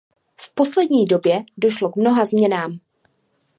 V poslední době došlo k mnoha změnám.